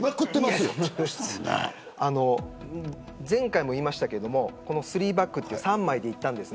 前回も言いましたけど３バックという３枚でいったんです。